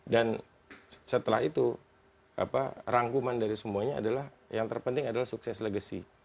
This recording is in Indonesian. dan setelah itu rangkuman dari semuanya adalah yang terpenting adalah sukses legacy